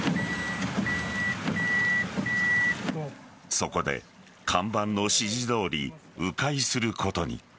そこで、看板の指示どおり迂回することに。